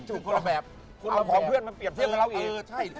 คุณความพร้อมเพื่อนมาเปรียบชิดกับเราอีก